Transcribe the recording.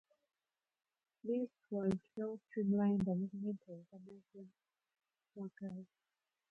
This was to help streamline the movement of the migrant workers.